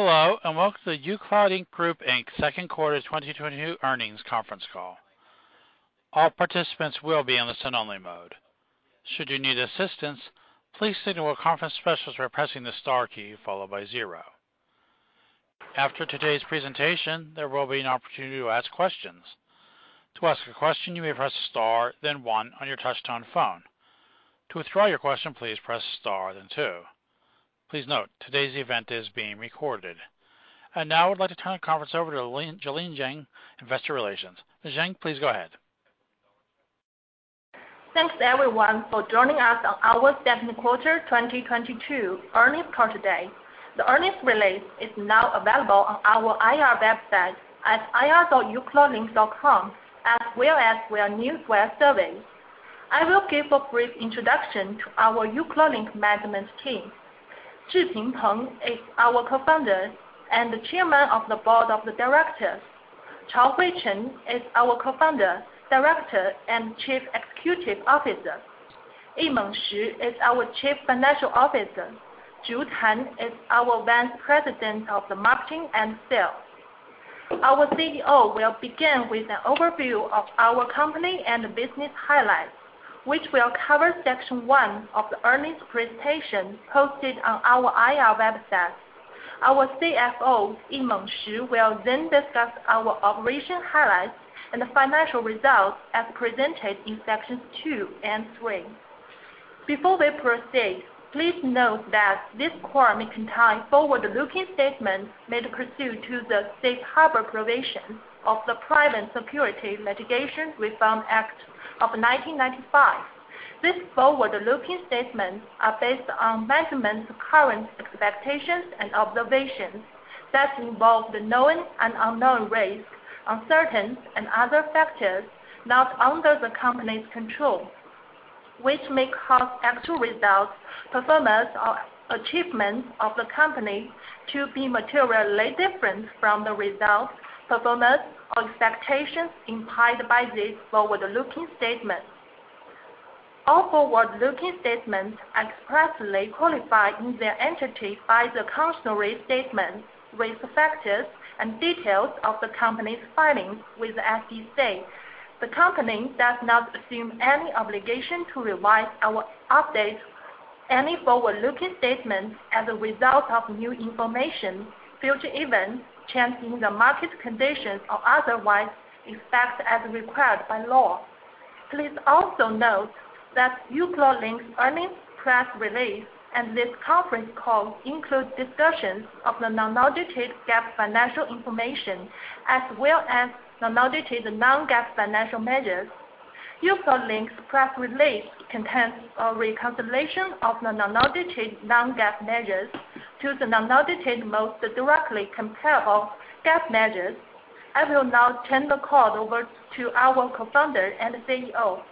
Hello, and welcome to the uCloudlink Group Inc. second quarter 2022 earnings conference call. All participants will be in listen-only mode. Should you need assistance, please signal a conference specialist by pressing the star key followed by zero. After today's presentation, there will be an opportunity to ask questions. To ask a question, you may press star then one on your touch-tone phone. To withdraw your question, please press star then two. Please note, today's event is being recorded. Now I would like to turn the conference over to Jillian Zeng, Investor Relations. Ms. Zeng, please go ahead. Thanks everyone for joining us on our second quarter 2022 earnings call today. The earnings release is now available on our IR website at ir.ucloudlink.com, as well as via Newswire service. I will give a brief introduction to our uCloudlink management team. Zhiping Peng is our Co-founder and Chairman of the Board of Directors. Chaohui Chen is our Co-founder, Director, and Chief Executive Officer. Yimeng Shi is our Chief Financial Officer. Zhu Tan is our Vice President of Marketing and Sales. Our CEO will begin with an overview of our company and the business highlights, which will cover section 1 of the earnings presentation posted on our IR website. Our CFO, Yimeng Shi, will then discuss our operational highlights and the financial results as presented in sections 2 and 3. Before we proceed, please note that this call may contain forward-looking statements made pursuant to the safe harbor provisions of the Private Securities Litigation Reform Act of 1995. These forward-looking statements are based on management's current expectations and observations that involve the known and unknown risks, uncertainties, and other factors not under the company's control, which may cause actual results, performance, or achievements of the company to be materially different from the results, performance, or expectations implied by these forward-looking statements. All forward-looking statements expressly qualified in their entirety by the cautionary statements with factors and details of the company's filings with the SEC. The company does not assume any obligation to revise or update any forward-looking statements as a result of new information, future events, change in the market conditions, or otherwise, except as required by law. Please also note that uCloudlink earnings press release and this conference call include discussions of the unaudited GAAP financial information, as well as unaudited non-GAAP financial measures. uCloudlink press release contains a reconciliation of the unaudited non-GAAP measures to the unaudited most directly comparable GAAP measures. I will now turn the call over to our Co-founder and CEO,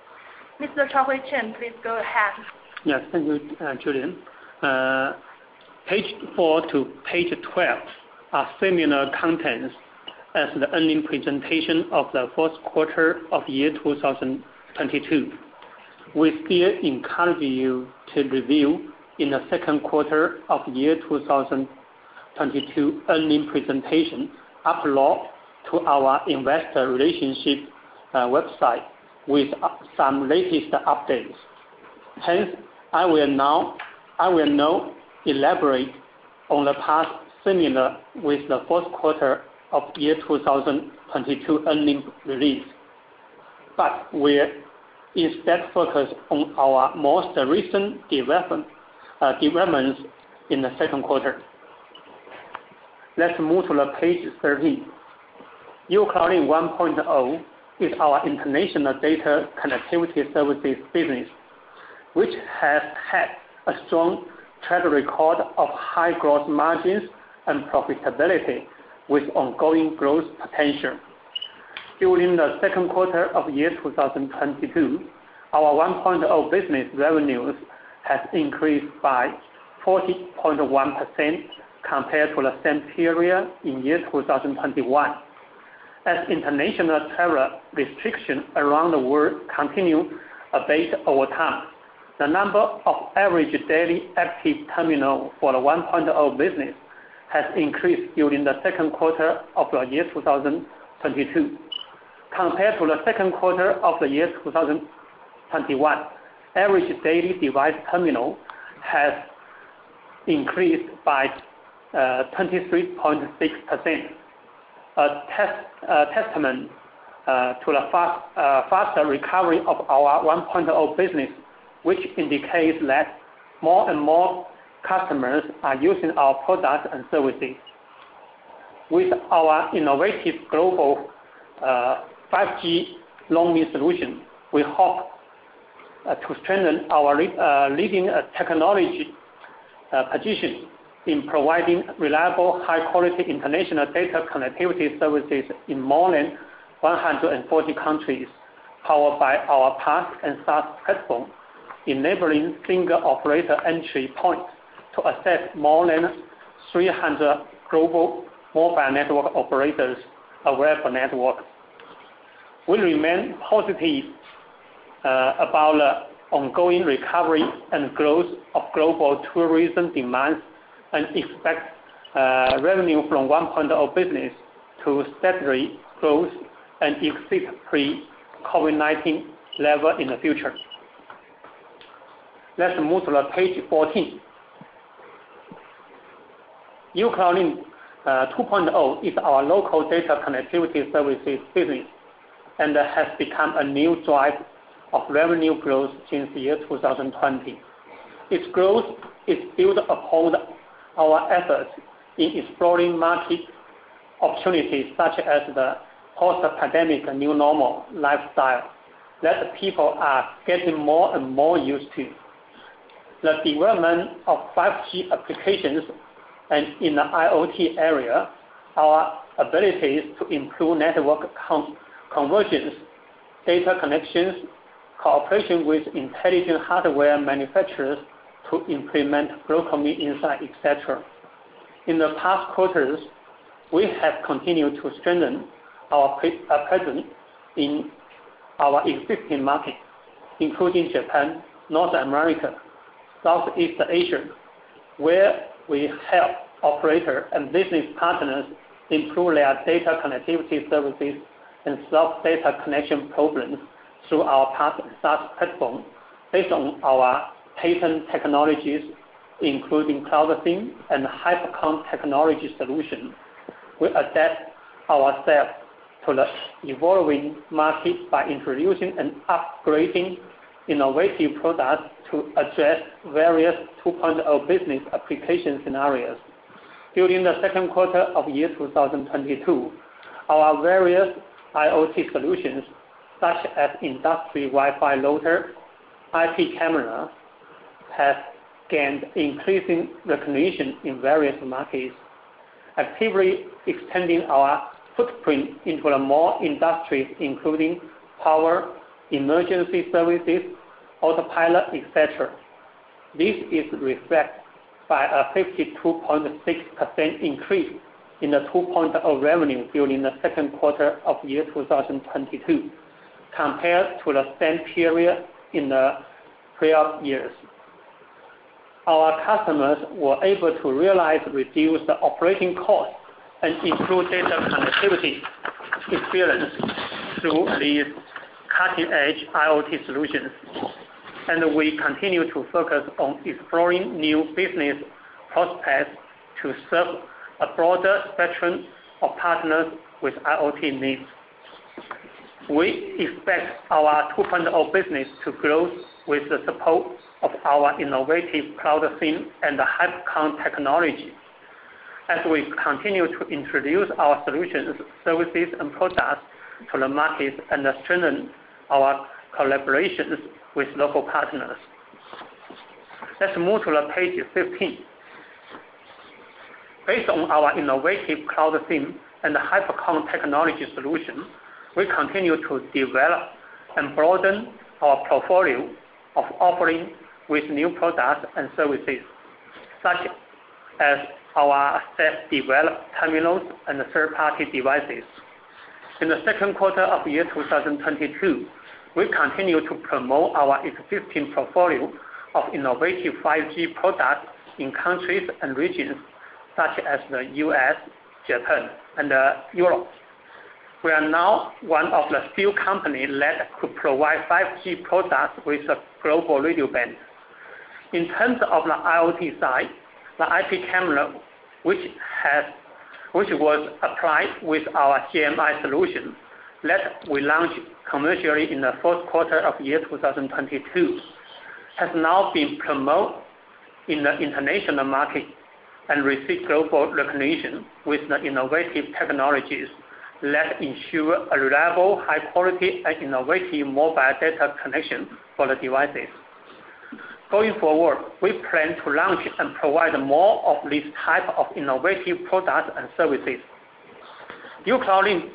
Mr. Chaohui Chen. Please go ahead. Yes. Thank you, Jilian. Page 4 to page 12 are similar contents as the earnings presentation of the first quarter of 2022. We still encourage you to review the second quarter of 2022 earnings presentation uploaded to our investor relations website with some latest updates. Hence, I will now elaborate on the part similar to the first quarter of 2022 earnings release. We instead focus on our most recent developments in the second quarter. Let's move to page 13. uCloudlink 1.0 is our international data connectivity services business, which has had a strong track record of high growth margins and profitability with ongoing growth potential. During the second quarter of 2022, our 1.0 business revenues has increased by 40.1% compared to the same period in 2021. As international travel restrictions around the world continue abate over time, the number of average daily active terminal for the 1.0 business has increased during the second quarter of 2022. Compared to the second quarter of 2021, average daily device terminal has increased by 23.6%. A testament to the faster recovery of our 1.0 business, which indicates that more and more customers are using our products and services. With our innovative global 5G roaming solution, we hope to strengthen our leading technology position in providing reliable, high-quality international data connectivity services in more than 140 countries, powered by our PaaS and SaaS platform, enabling single operator entry point to access more than 300 global mobile network operators around the world. We remain positive about the ongoing recovery and growth of global tourism demands and expect revenue from 1.0 business to steadily grow and exceed pre-COVID-19 level in the future. Let's move to page 14. uCloudlink 2.0 is our local data connectivity services business, and has become a new driver of revenue growth since the year 2020. Its growth is built upon our efforts in exploring market opportunities, such as the post-pandemic new normal lifestyle, that people are getting more and more used to. The development of 5G applications and in the IoT area, our abilities to improve network connections, data connections, cooperation with intelligent hardware manufacturers to implement growth insight, et cetera. In the past quarters, we have continued to strengthen our presence in our existing markets, including Japan, North America, Southeast Asia, where we help operators and business partners improve their data connectivity services and solve data connection problems through our PaaS and SaaS platform based on our patent technologies, including CloudSIM and HyperConn technology solution. We adapt ourselves to the evolving market by introducing and upgrading innovative products to address various 2.0 business application scenarios. During the second quarter of 2022, our various IoT solutions, such as industrial Wi-Fi router, IP camera, have gained increasing recognition in various markets, actively extending our footprint into more industries, including power, emergency services, autopilot, et cetera. This is reflected by a 52.6% increase in the 2.0 revenue during the second quarter of 2022 compared to the same period in the prior year. Our customers were able to realize reduced operating costs and improve data connectivity experience through these cutting-edge IoT solutions, and we continue to focus on exploring new business prospects to serve a broader spectrum of partners with IoT needs. We expect our 2.0 business to grow with the support of our innovative CloudSIM and the HyperConn technology. As we continue to introduce our solutions, services, and products to the market and strengthen our collaborations with local partners. Let's move to page 15. Based on our innovative CloudSIM and HyperConn technology solution, we continue to develop and broaden our portfolio of offering with new products and services, such as our self-developed terminals and third-party devices. In the second quarter of 2022, we continue to promote our existing portfolio of innovative 5G products in countries and regions such as the U.S., Japan, and Europe. We are now one of the few companies that could provide 5G products with a global radio band. In terms of the IoT side, the IP camera, which was applied with our CMI solution, that we launched commercially in the fourth quarter of 2022, has now been promoted in the international market and received global recognition with the innovative technologies that ensure a reliable, high quality, and innovative mobile data connection for the devices. Going forward, we plan to launch and provide more of this type of innovative products and services. uCloudlink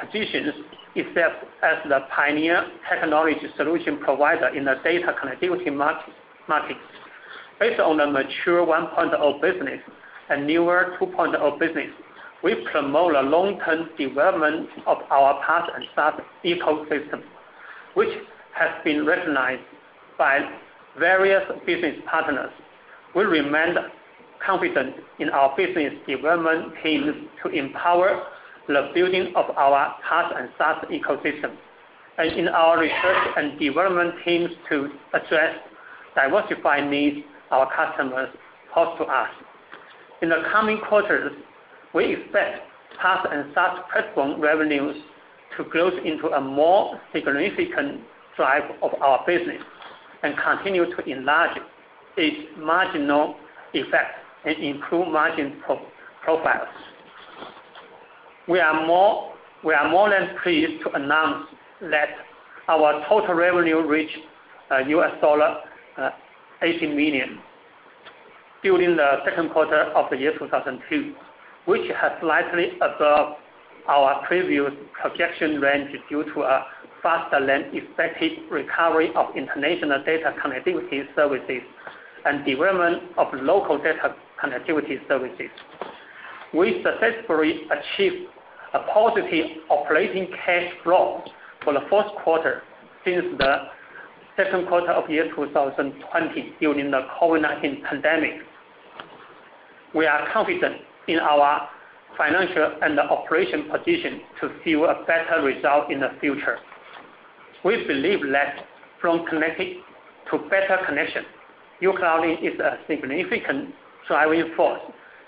positions itself as the pioneer technology solution provider in the data connectivity market. Based on the mature 1.0 business and newer 2.0 business, we promote a long-term development of our PaaS and SaaS ecosystem, which has been recognized by various business partners. We remain confident in our business development teams to empower the building of our PaaS and SaaS ecosystem. In our research and development teams to address diversifying needs our customers pose to us. In the coming quarters, we expect PaaS and SaaS platform revenues to grow into a more significant drive of our business and continue to enlarge its marginal effect and improve margin profiles. We are more than pleased to announce that our total revenue reached $80 million during the second quarter of 2022, which has slightly exceeded our previous projection range due to a faster-than-expected recovery of international data connectivity services and development of local data connectivity services. We successfully achieved a positive operating cash flow in the first quarter since the second quarter of 2020 during the COVID-19 pandemic. We are confident in our financial and operational position to fuel a better result in the future. We believe that from connected to better connection, uCloudlink is a significant driving force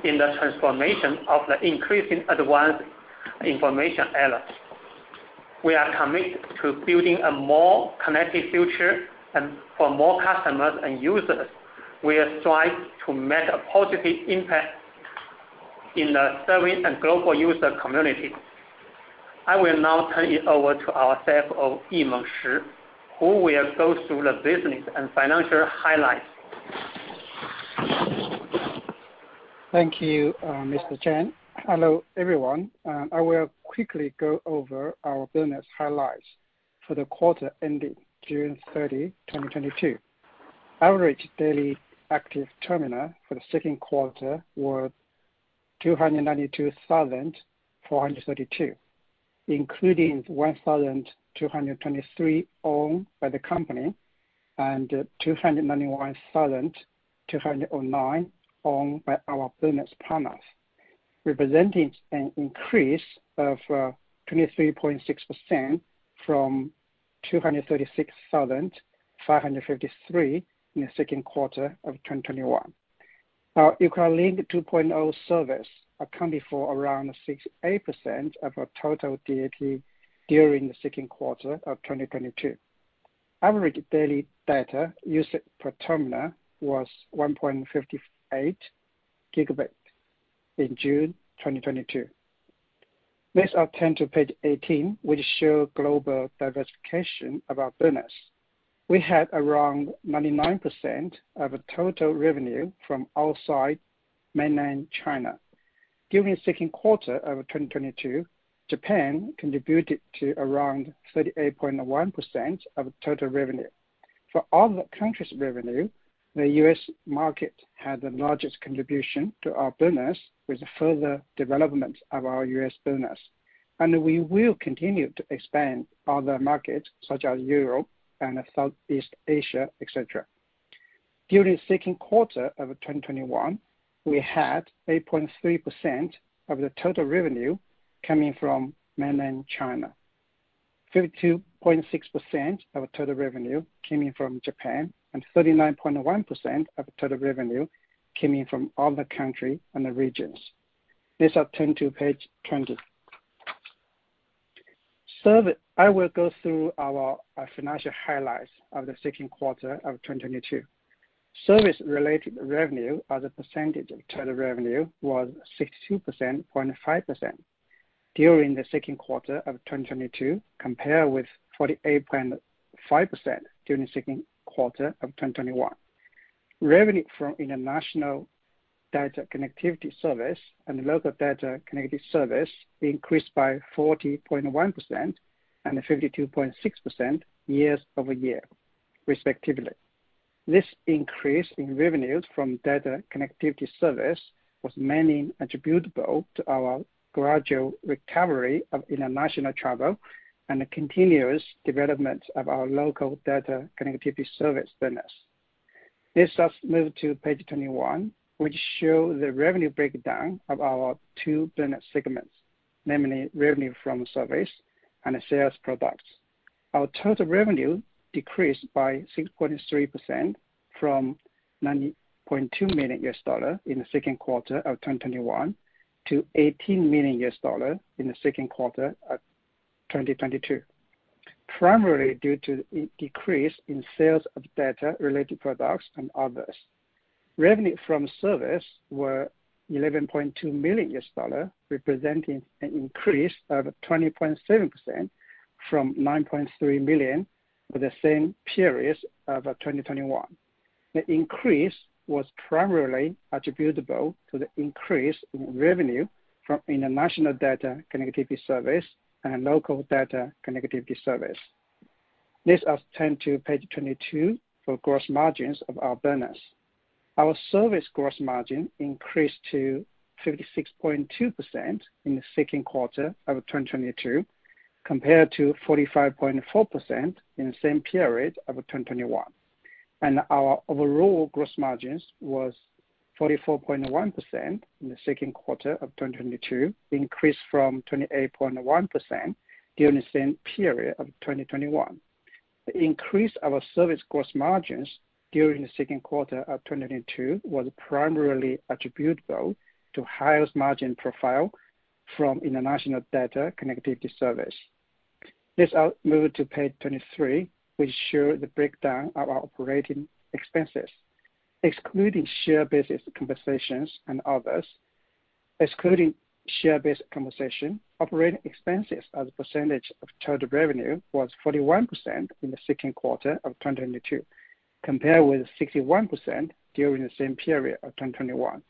in the transformation of the increasingly advanced information era. We are committed to building a more connected future and for more customers and users. We strive to make a positive impact in serving a global user community. I will now turn it over to our CFO, Yimeng Shi, who will go through the business and financial highlights. Thank you, Mr. Chen. Hello, everyone. I will quickly go over our business highlights for the quarter ending June 30, 2022. Average daily active terminal for the second quarter were 292,432, including 1,223 owned by the company, and 291,209 owned by our business partners. Representing an increase of 23.6% from 236,553 in the second quarter of 2021. Now, uCloudlink 2.0 service accounted for around 68% of our total DAT during the second quarter of 2022. Average daily data usage per terminal was 1.58 GB in June 2022. Let's now turn to page 18, which show global diversification of our business. We had around 99% of total revenue from outside mainland China. During the second quarter of 2022, Japan contributed to around 38.1% of total revenue. For other countries' revenue, the U.S. market had the largest contribution to our business with further development of our U.S. business. We will continue to expand other markets such as Europe and Southeast Asia, et cetera. During the second quarter of 2021, we had 8.3% of the total revenue coming from mainland China. 32.6% of total revenue came in from Japan, and 39.1% of total revenue came in from other countries and the regions. Let's now turn to page 20. I will go through our financial highlights of the second quarter of 2022. Service related revenue as a percentage of total revenue was 62.5% during the second quarter of 2022, compared with 48.5% during the second quarter of 2021. Revenue from international data connectivity service and local data connectivity service increased by 40.1% and 52.6% year-over-year, respectively. This increase in revenues from data connectivity service was mainly attributable to our gradual recovery of international travel and the continuous development of our local data connectivity service business. Let's now move to page 21, which shows the revenue breakdown of our 2 business segments, namely revenue from service and sales products. Our total revenue decreased by 6.3% from $90.2 million in the second quarter of 2021 to $18 million in the second quarter of 2022. Primarily due to a decrease in sales of data related products and others. Revenue from service were $11.2 million, representing an increase of 20.7% from $9.3 million for the same periods of 2021. The increase was primarily attributable to the increase in revenue from international data connectivity service and local data connectivity service. Let's now turn to page 22 for gross margins of our business. Our service gross margin increased to 56.2% in the second quarter of 2022, compared to 45.4% in the same period of 2021. Our overall gross margins was 44.1% in the second quarter of 2022. Increase from 28.1% during the same period of 2021. The increase of our service gross margins during the second quarter of 2022 was primarily attributable to highest margin profile from international data connectivity service. Let's now move to page 23, which show the breakdown of our operating expenses, excluding share-based compensations and others. Excluding share-based compensation, operating expenses as a percentage of total revenue was 41% in the second quarter of 2022, compared with 61% during the same period of 2021.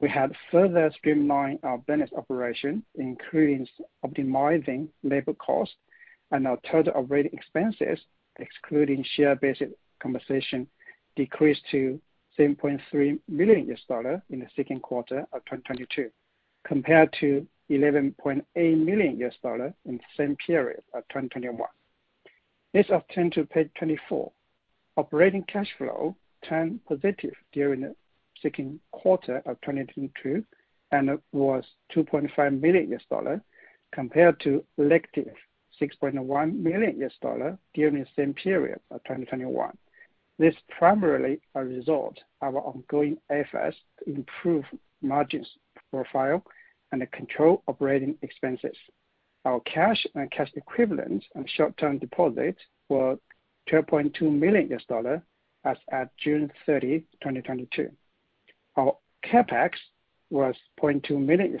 We have further streamlined our business operation, including optimizing labor cost. Our total operating expenses, excluding share-based compensation, decreased to $7.3 million in the second quarter of 2022, compared to $11.8 million in the same period of 2021. Let's now turn to page 24. Operating cash flow turned positive during the second quarter of 2022, and it was $2.5 million compared to negative $6.1 million during the same period of 2021. This is primarily a result of our ongoing efforts to improve margins profile and to control operating expenses. Our cash and cash equivalents and short-term deposits were $12.2 million as at June 30, 2022. Our CapEx was $0.2 million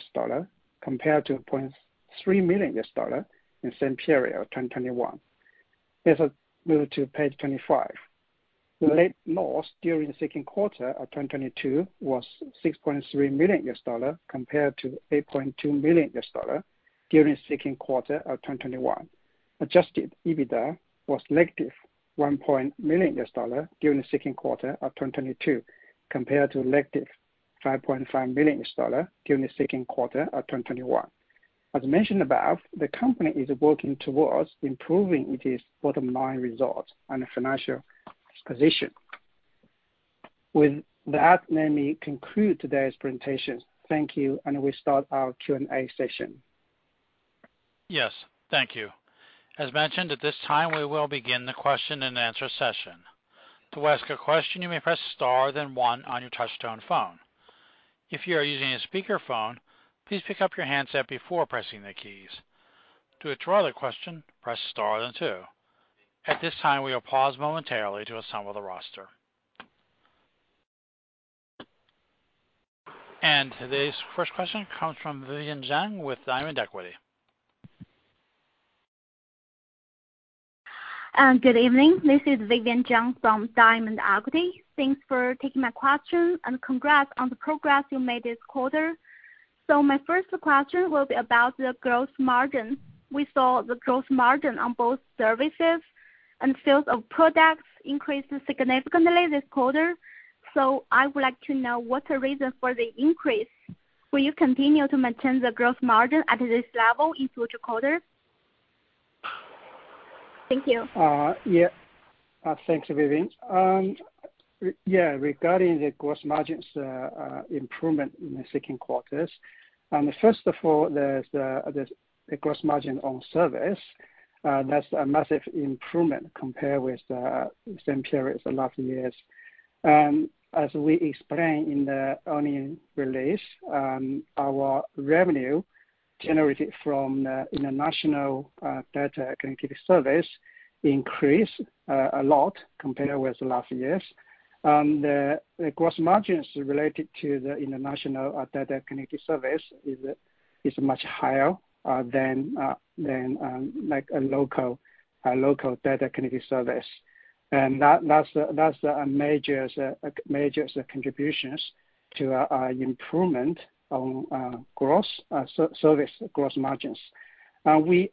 compared to $0.3 million in the same period, 2021. Let's move to page 25. The net loss during the second quarter of 2022 was $6.3 million compared to $8.2 million during the second quarter of 2021. Adjusted EBITDA was negative $1 million during the second quarter of 2022 compared to negative $5.5 million during the second quarter of 2021. The company is working towards improving its bottom line results and financial position. With that, let me conclude today's presentation. Thank you, and we'll start our Q&A session. Yes, thank you. As mentioned, at this time, we will begin the question-and-answer session. To ask a question, you may press star then one on your touchtone phone. If you are using a speakerphone, please pick up your handset before pressing the keys. To withdraw your question, press star then two. At this time, we will pause momentarily to assemble the roster. Today's first question comes from Vivian Zhang with Diamond Equity. Good evening. This is Vivian Zhang from Diamond Equity Research. Thanks for taking my question, and congrats on the progress you made this quarter. My first question will be about the gross margin. We saw the gross margin on both services and sales of products increase significantly this quarter. I would like to know what the reason for the increase. Will you continue to maintain the gross margin at this level in future quarters? Thank you. Yeah. Thanks, Vivian. Regarding the gross margins improvement in the second quarter. First of all, there's the gross margin on service. That's a massive improvement compared with the same period of last year. As we explained in the earnings release, our revenue generated from the international data connectivity service increased a lot compared with last year. The gross margins related to the international data connectivity service is much higher than like a local data connectivity service. That's a major contribution to our improvement on gross service gross margins. We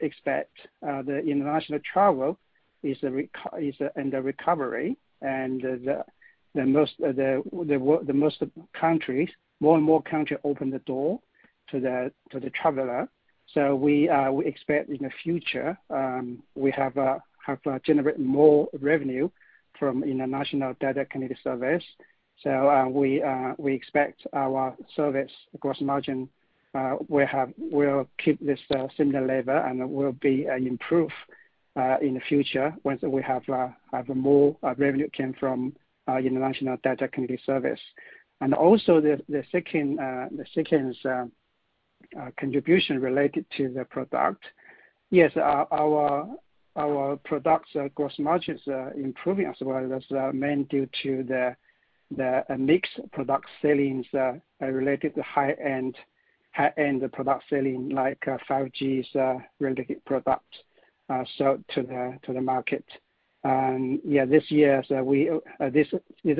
expect the international travel is in the recovery and the most countries, more and more countries open the door to the traveler. We expect in the future we have generated more revenue from international data connectivity service. We expect our service gross margin will keep this similar level and will improve in the future once we have more revenue came from international data connectivity service. The second contribution related to the product. Yes, our products gross margins are improving as well. That's mainly due to the mixed product sales related to high-end product selling like 5G-related products to the market. This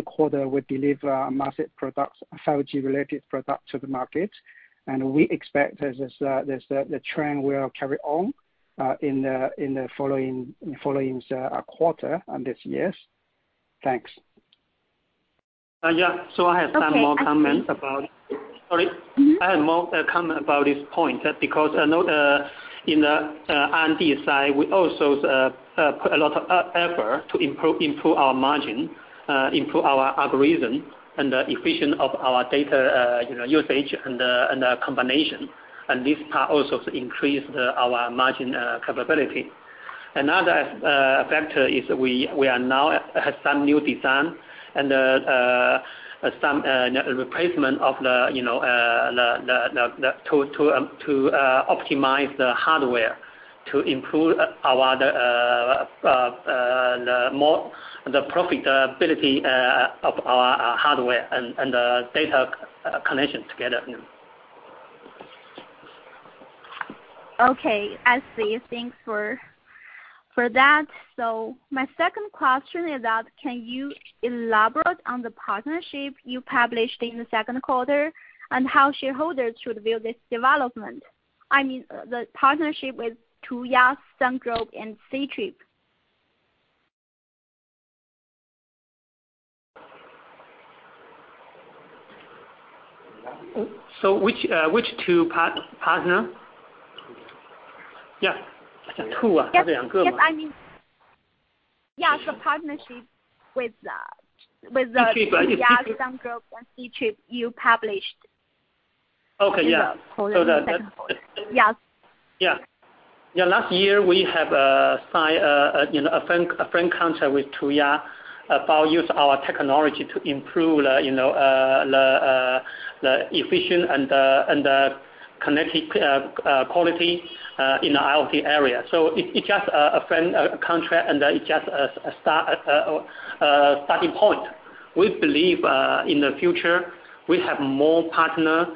quarter we deliver massive 5G-related products to the market. We expect that this trend will carry on in the following quarter and this year. Thanks. Yeah. I have some more comments about. Okay. Sorry. Mm-hmm. I have more comment about this point because I know in the R&D side, we also put a lot of effort to improve our margin, improve our algorithm and the efficiency of our data, you know, usage and the combination, and this part also increase our margin capability. Another factor is we are now at some new design and some replacement, you know, to optimize the hardware to improve our profitability of our hardware and the data connection together. Okay. I see. Thanks for that. My second question is that can you elaborate on the partnership you published in the second quarter and how shareholders should view this development? I mean, the partnership with Tuya Inc. and Trip.com Group Limited. Which two partner? Yeah. Yes. I mean, yeah. Partnership with, Ctrip. Tuya Inc. and Trip.com Group Limited, you published. Okay. Yeah. In the second quarter. Yes. Last year, we have signed you know a framework contract with Tuya about use our technology to improve you know the efficiency and the connectivity quality in the IoT area. It just a framework contract, and it just a starting point. We believe in the future, we have more partner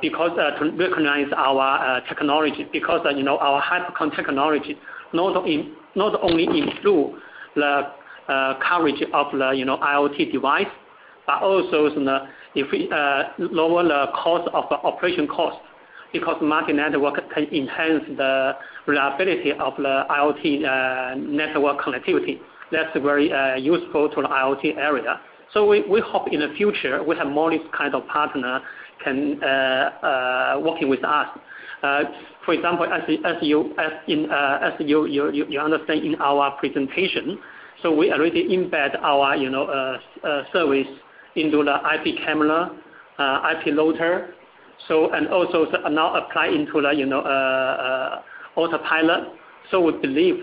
because recognize our technology. Because you know our HyperConn technology not only improve the coverage of the IoT device, but also lower the cost of the operation costs because multi-network can enhance the reliability of the IoT network connectivity. That's very useful to an IoT area. We hope in the future we have more this kind of partners can work with us. For example, as you understand in our presentation, we already embed our service into the IP camera, IP router, and also now apply into the autopilot. We believe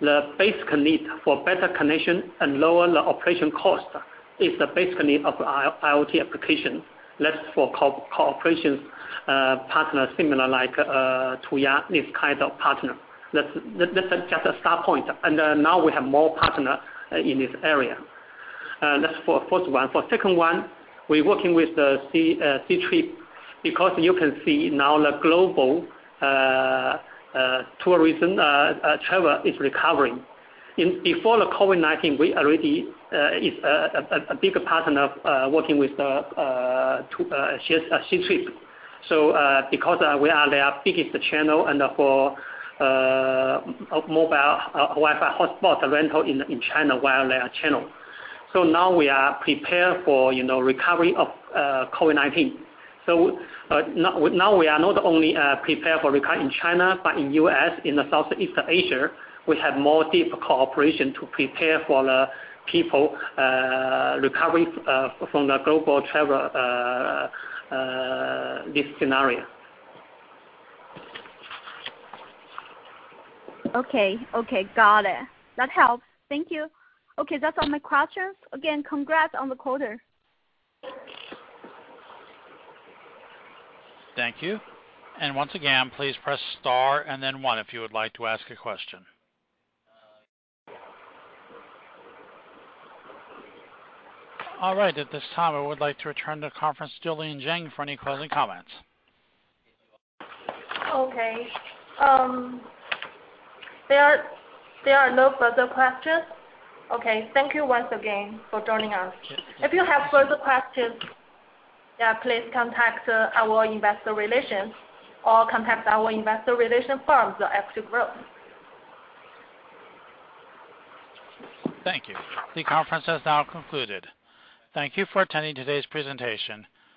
the basic need for better connection and lower the operation cost is the basic need of IoT application. That's for cooperation partners similar like Tuya, this kind of partner. That's just a start point. Now we have more partners in this area. That's for first one. For second one, we're working with the Ctrip because you can see now the global tourism travel is recovering. Before the COVID-19, we already is a big partner working with the Ctrip. Because we are their biggest channel and for mobile Wi-Fi hotspot rental in China via their channel. Now we are prepared for, you know, recovery of COVID-19. Now we are not only prepared for recovery in China, but in U.S., in the Southeast Asia, we have more deep cooperation to prepare for the people recovery from the global travel this scenario. Okay. Got it. That helps. Thank you. Okay, that's all my questions. Again, congrats on the quarter. Thank you. Once again, please press Star and then one if you would like to ask a question. All right, at this time, I would like to return the conference to Jillian Zeng for any closing comments. Okay. There are no further questions. Okay. Thank you once again for joining us. If you have further questions, yeah, please contact our investor relations or contact our investor relations firm, The Equity Group. Thank you. The conference has now concluded. Thank you for attending today's presentation.